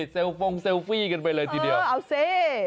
ฟงเซลฟี่กันไปเลยทีเดียวเอาสิ